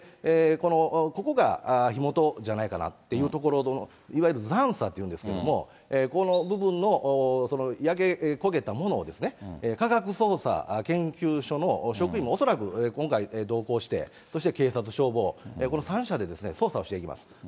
ここが火元じゃないかなという所の、恐らくざんさっていうんですけれども、この部分の焼け焦げたものを、科学捜査研究所の職員が恐らく今回、同行して、そして警察、消防、この３者で捜査をしていきます。